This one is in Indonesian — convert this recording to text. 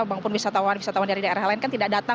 maupun wisatawan wisatawan dari daerah lain kan tidak datang